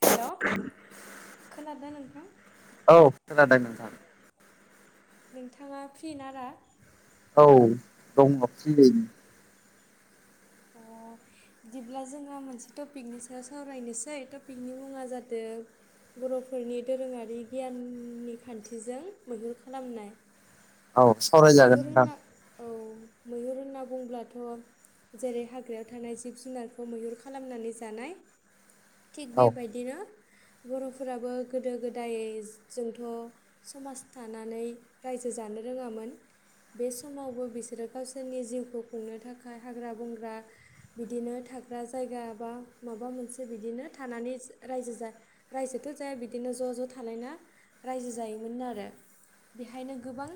Hello खोनादों नोंथां औ खोनादों नोंथां नोंथाङा फ्रि ना दा औ दङ फ्रियैनो अ बिदिब्ला जोंहा मोनसे टपिकनि सायाव सावरायनोसै टपिकनि मुङा जादों बर'फोरनि दोरोङारि गियाननि खान्थिजों मैहुर खालामनाय औ सावरायजागोन मैहुर नोंथां होनना औ मैहुर होनना बुंङोब्लाथ' जेरै हाग्रायाव थानाय जिब जुनारखौ मैहुर खालामनानै जानाय थिग औ बेबायदिनो बर'फोराबो गोदो गोदाय जोंथ' समाज थानानै रायजो जानो रोङामोन बे समावबो बिसोरो गावसोरनि जिउखौ खुंनो थाखाय हाग्रा बंग्रा बिदिनो थाग्रा जायगा बा माबा मोनसे बिदिनो थानानै रायजो जा रायजोथ' जाया बिदिनो ज' ज' थालायना रायजो जायोमोन आरो। बेहायनो गोबां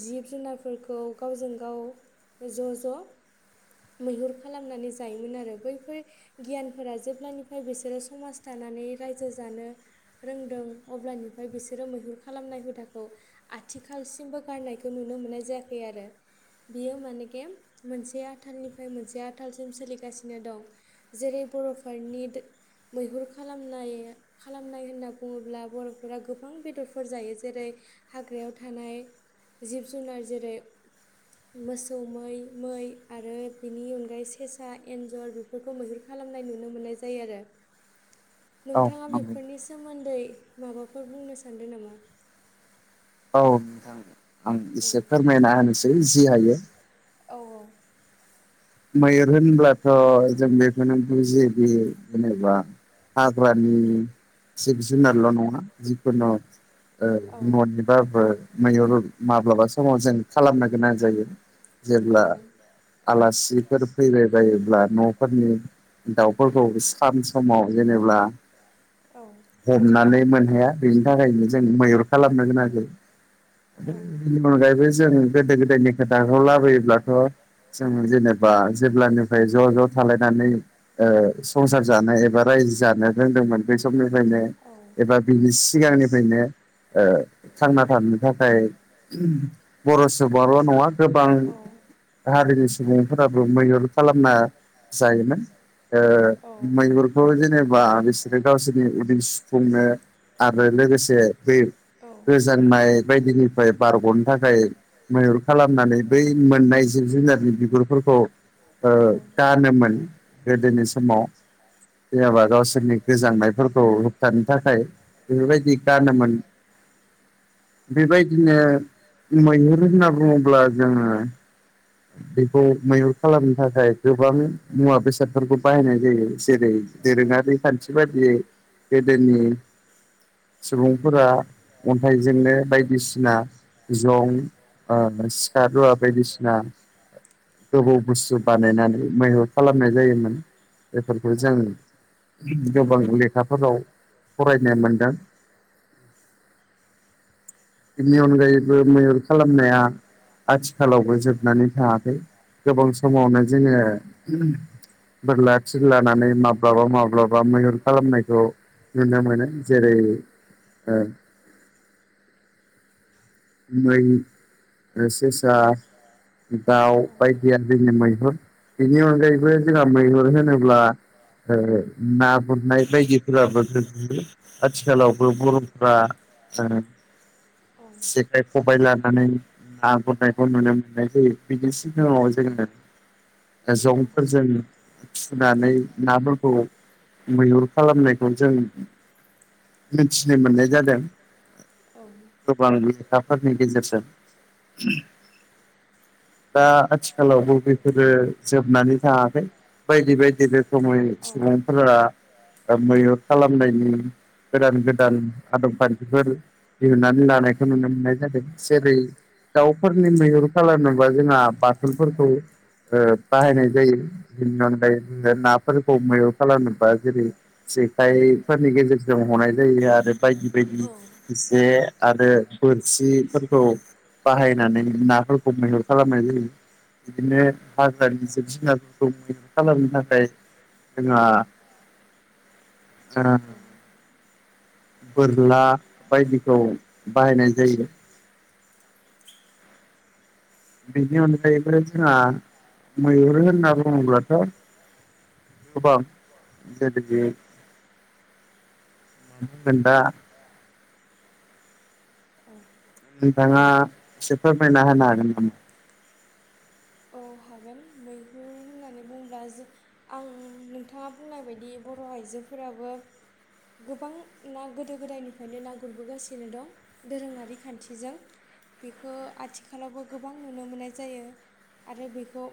जिब जुनारफोरखौ गावजों गाव ज' ज' मैहुर खालामनानै जायोमोन आरो बैफोर गियानफोरा जेब्लानिफ्राय बिसोरो समाज थानानै रायजो जानो रोंदों अब्लानिफ्राय बिसोरो मैहुर खालामनाय हुदाखौ आथिखालसिमबो गारनायखौ नुनो मोननाय जायाखै आरो बियो मानकि मोनसे आथालनिफ्राय मोनसे आथालसिम सोलिगासिनो दं जेरै बर'फोरनि दो मैहुर खालामनाय खालामनाय होनना बुंङोब्ला बर'फोरा गोबां बेदरफोर जायो जेरै हाग्रायाव थानाय जिब जुनार जेरै मोसौ मै मै आरो बिनि अनगायै सेसा एन्जर बे फोरखौ मैहुर खालामनाय नुनो मोननाय जायो आरो। औ नोंथाङा नंगौ बेफोरनि सोमोन्दै माबाफोर बुंनो सान्दों नामा? औ नोंथां आं औ एसे फोरमायना होनोसै जि हायो। औ औ। मैेहुर होनब्लाथ' जों बेखौनो बुजियोदि जेनेबा हाग्रानि जिब जुनारल' नंङा जिखुनु ओ औ न'नि बाबो मैहुर माब्लाबा समाव जों खालामनो गोनां जायो औ जेब्ला आलासि फोर फैबाय बायोब्ला न'फोरनि दाउ फोरखौ सान समाव जेनेब्ला औ हमनानै मोनहाया बेनि थाखायनो जों मैहुर खालामनो गोनां जायो। बेनि अनगायैबो जों गोदो गोदायनि खोथाखौ लाबोयोब्लाथ' जों जेनेबा जेब्लानिफ्राय ज' ज' थालायनानै ओ संसार जानो एबा रायजो जानो रोंदोंमोन बे समनिफ्रायनो औ एबा बिनि सिगांनिफ्रायनो ओ थांना थानो थाखाय बर' सुबुंङाल' नङा गोबां औ हारिनि सुबुंफोराबो मैहुर खालामना जायोमोन। ओ औ मैहुर खौ जेनेबा बिसोरो गावसोरनि उदै सुफुंनो आरो लोगोसे बे गोजांनाय बायदिनि फ्राय बारग'नो थाखाय मैहुर खालामनानै बै मोननाय जिब जुनारनि बिगुरफोर खौ ओ औ गानोमोन गोदोनि समाव। जायाबा गावसोरनि गोजांनायफोरखौ होबथानो थाखाय। बेबायदि गानोमोन। [inaudible] बेबायदिनो मैहुर होनना बुङोब्ला जोङो बेखौ मैहुर खालामनो थाखाय गोबां मुवा बेसादफोरखौ बाहायनाय जायो। जेरै दोरोङारि खान्थि बादियै गोदोनि सुबुंफोरा अन्थाइजोंनो बायदिसिना जं ओ सिखा रुवा बायदिसिना [inaudible] गोबौ बुस्थु बानायनानै मैहुर खालामनाय जायोमोन बेफोरखौ जों गोबां लेखाफोराव फरायनो मोनदों। बेनि अनगायैबो मैहुर खालामनाया आथिखालावबो जोबनानै थाङाखै गोबां समावनो जोङो बोरला थिर लानानै माब्लाबा माब्लाबा मैहुर खालामनायखौ नुनो मोनो जेरै मै सेसा दाउ बायदिया जोंनि मैहुर बेनि अनगायैबो जोंहा मैहुर होनोब्ला ओ ना गुरनाय बायदिफोराबो गोग्लैयो आथिखालावबो बर'फ्रा औ। जेखाइ खबाइ लानानै ना गुरनायखौ नुनो मोननाय जायो बिनि सिगाङाव जोङो जंफोरजों फिनानै नाफोरखौ मैहुर खालामनायखौ जों मिथिनो मोननाय जादों। [unintelligible] दा आथिखालावबो बेफोरो जोबनानै थाङाखै बायदि बायदिनो दम होयो औ बिसिना फादारा मैहुर खालामनायनि गोदान गोदान आदब खान्थिफोर दिहुननानै लानायखौ नुनो मोनो। मोननाय जादों जेरै दाउफोरनि मैहुर खालामनोबा जोंहा बाथोनफोरखौ ओ बाहायनाय जायो बेनि अनगायै जोङो नाफोरखौ मैं खालामनोबा जेरै जेखाइफोरनि गेजेरजों हनाय जायो आरो बायदि औ बायदि औ जे आरो बोरसिफोरखौ बाहायनानै नाफोरखौ मैहुर खालामनाय जायो। बिदिनो हाग्रानि जिब जुनारफोरखौ मैहुर खालामनो थाखाय जोंहा ओ बोरला बायदिखौ बाहायनाय जायो बेनि अनगायैबो जोंहा मैहुर होनना बुङोब्लाथ' [unintelligible] दा [unintelligible] औ नोंथाङा एसे फोरमायना होनो हागोन नामा? औ हागोन मैहुर होननानै बुङोब्ला जों आं नोंथाङा बुंनाय बायदि बर' आइजोफोराबो गोबां ना गोदो गोदायनिफ्रायनो ना गुरबोगासिनो दं दोरोङारि खान्थिजों बेखौ आथिखालावबो गोबां नुनो मोननाय जायो। आरो बेखौ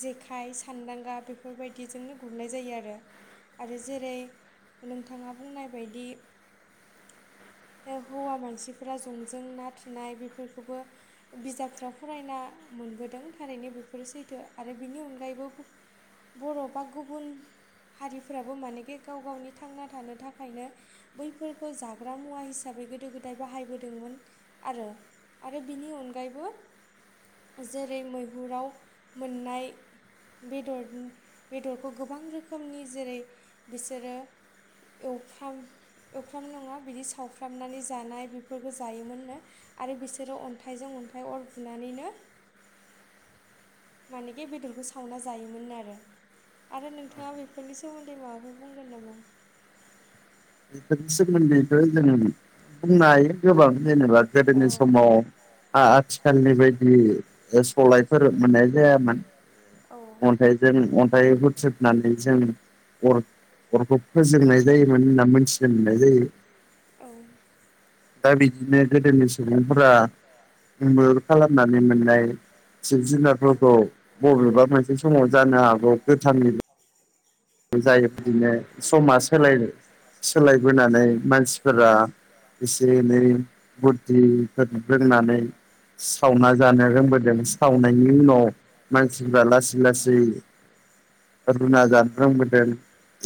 जेखाइ सान्दांगा बेफोरबायदिजोंनो गुरनाय जायो आरो। आरो जेरै नोंथाङा बुंनाय बायदि हौवा मानसिफोरा जंजों ना थुनाय बेफोरखौबो बिजाबफोराव फरायना मोनबोदों थारैनो बेफोरो सैथो आरो बिनि अनगायैबो बर' बा गुबुन हारिफोराबो मानेखि गाव गावनि थांना थानो थाखायनो बैफोरखौ जाग्रा मुवा हिसाबै गोदो गोदाय बाहायबोदोंमोन आरो आरो बिनि अनगायैबो जेरै मैहुराव मोननाय बेदरनि बेदरखौ गोबां रोखोमनि जेरै बिसोरो एवफ्राम एवफ्रामनाय नङा बिदि सावफ्रामनानै जानाय बेफोरखौ जायोमोननो। आरो बिसोरो अन्थाइजों अन्थाइ अर बुनानैनो मानेखि बेदरखौ सावना जायोमोननो आरो। आरो नोंथाङा बेफोरनि सोमोन्दै माबाफोर बुंगोन नामा? बेफोरनि सोमोन्दैथ' जों बुंनो हायो गोबां जेनेबा औ गोदोनि समाव आथिखालनि बायदि सलायफोर मोननाय जायामोन औ अन्थाइजों अन्थाइ हुथ्रोदनानै जों अर अरखौ फोजोंनाय जायोमोन होनना मोनथिनो मोननाय जायो। औ दा बिदिनो गोदोनि सुबुंफोरा मैहुर खालामनानै मोननाय जिब औ जुनारफोरखौ बबेबा मोनसे समाव जानो हागौ गोथाङै जायो औ बिदिनो समा सोलाय सोलायबोनानै मानसिफोरा एसे एनै बुध्धि रोंनानै सावना जानो रोंबोदों सावनायनि उनाव मानसिफ्रा लासै लासै रुना जानो रोंबोदों।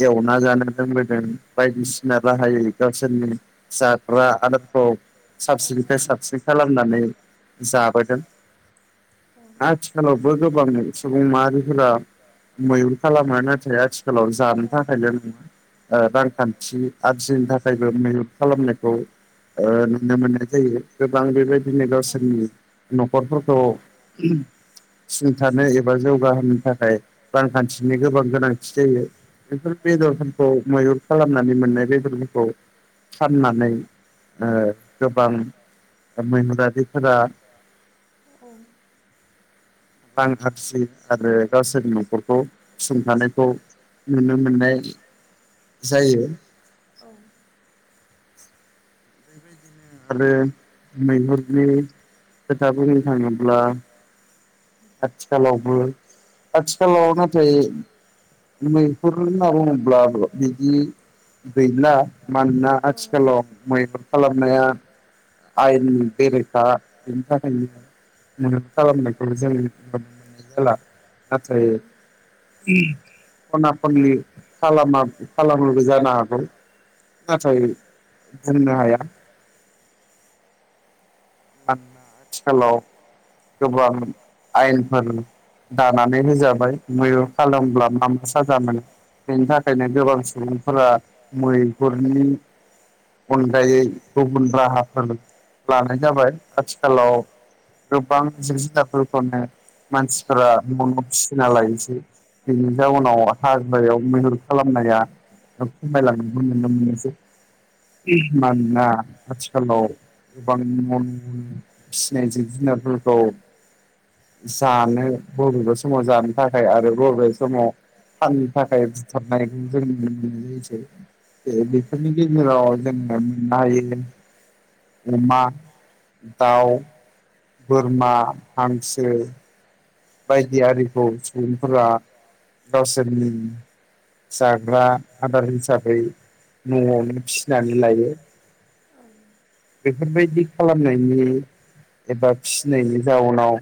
एवना जानो रोंबोदों बायदिसिना राहायै गावसोरनि फिसाफ्रा आदारखौ साबसिननिफ्राय साबसिन खालामनानै जाबोदों आथिखालावबो गोबां सुबुं माहारिफोरा मैहुर खालामो ना? नाथाय आथिखालाव जानो थाखायल नङा। ओ रांखान्थि आरजिनो थाखायबो मेल्प खालामनायखौ नुनो मोननाय जायो गोबां बेबायदिनो औ गावसोरनि न'खरफोरखौ सुंथानो एबा जौगाहोनो थाखाय रांखान्थिनि गोबां गोनांथि जायो बेफोर बेदरफोरखौ मैहुर खालामनानै मोननाय बेदरफोरखौ फाननानै गोबां मैहुरारिफोरा औ रांखानथि आरो गावसोरनि न'खरखौ सुंथानायखौ नुनो मोननाय जायो। आरो मैहुरनि खोथा बुंनो थाङोब्ला आथिखालावबो आथिखालाव नाथाय मैहुर होनना बुङोब्लाबो बिदि गैला मानोना आथिखालाव मैहुर खालामनाया आयेननि बेरेखा बेनि थाखायनो मदद खालामनायखौ जों जाला नाथाय खना खनलि खालामा खालामोबो जानो हागौ। नाथाय बुंनो हाया। आथिखालाव गोबां आयेनफोर दानानै होजाबाय मैहुर खालामब्ला मा मा साजा मोनो बेनि थाखायनो गोबां सुबुंफोरा मैहुरनि अनगायै गुबुन राहाफोर लानाय जाबाय आथिखालाव गोबां जिब जुनारफोरखौनो मानसिफोरा न'न' फिसिना लायसै बेनि जाउनाव हाग्रायाव मैहुर खालामनाया खमायलांनायखै नुनो मोनसै मानोना आथिखालाव गोबां [unintelligible] फिसिनाय जिब जुनारफोरखौ जानो बबेबा समाव जानो थाखाय आरो बबेबा समाव फाननो थाखाय बुथारनायखौ जों बेफोरनि गेजेराव जोङो मोननो हायो अमा दाउ बोरमा हांसो बायदि आरिखौ सुबुंफोरा गावसोरनि जाग्रा आदार हिसाबै न'आवनो फिसिनानै लायो। ओं बेफोरबायदि खालामनायनि एबा फिनायनि जाउनाव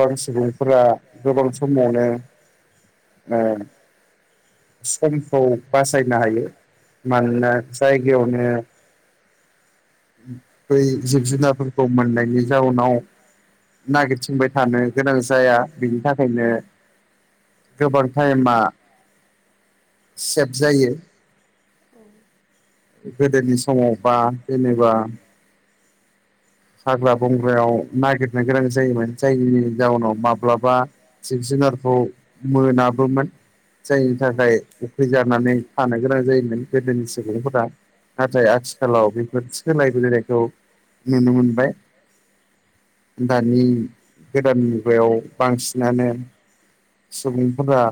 गोबां सुबुंफोरा गोबां समावनो समखौ बासायनो हायो मानोना जायगायावनो [inaudible] बै जिब जुनारफोरखौ मोननायनि जाउनाव नागिरथिंबाय थानो गोनां जाया बिनि थाखायनो गोबां टाइमा सेभ जायो। औ गोदोनि समाव बा जेनेबा हाग्रा बंग्रायाव नागिरनो गोनां जायोमोन जायनि जाउनाव माब्लाबा जिब जुनारखौ मोनाबोमोन जायनि औ थाखाय उखै जानानै थानो गोनां जायोमोन गोदोनि सुबुंफोरा नाथाय आथिखालाव बेफोर थि सोलायबोनायखौ नुनो मोनबाय। दानि गोदान मुगायाव बांसिनानो सुबुंफोरा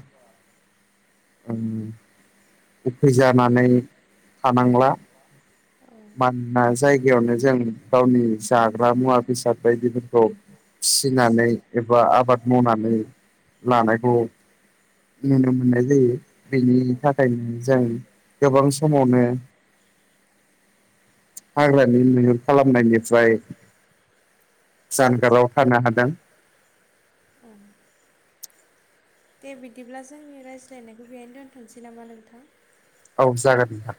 [inaudible] उखै जानानै थानांला औ औ माना जायगायावनो जों गावनि जाग्रा मुवा बेसाद बायदिफोरखौ फिसिनानै एबा आबाद मावनानै लानायखौ नुनो मोननाय जायो। बेनि औ थाखाय फनो जों गोबां समावनो हाग्रानि मैहुर खालामनायनिफ्राय जानगाराव थानो हादों। अ दे बिदिब्ला जोंनि रायज्लायनायखौ बेहायनो दोन्थ'नोसै नामा नोंथां? औ जागोनों